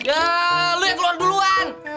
ya lo yang keluar duluan